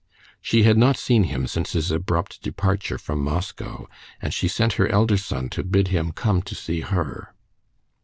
She had not seen him since his abrupt departure from Moscow, and she sent her elder son to bid him come to see her.